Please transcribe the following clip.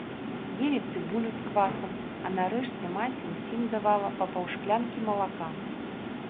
Елі цыбулю з квасам, а нарэшце маці ўсім давала па паўшклянкі малака.